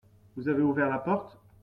Vous avez ouvert la porte ?